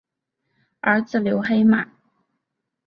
儿子刘黑马。